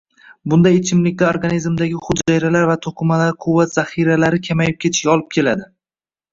“Bunday ichimliklar organlardagi hujayralar va toʻqimalar quvvat zaxiralari kamayib ketishiga olib keladi.